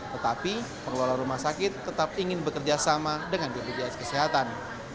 tetapi pengelola rumah sakit tetap ingin bekerja sama dengan bpjs kesehatan